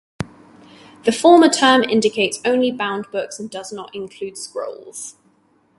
The former term indicates only bound books, and does not include scrolls.